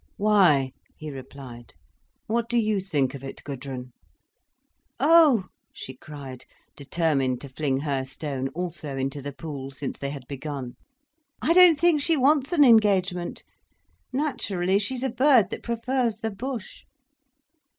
"Why?" he replied. "What do you think of it, Gudrun?" "Oh," she cried, determined to fling her stone also into the pool, since they had begun, "I don't think she wants an engagement. Naturally, she's a bird that prefers the bush."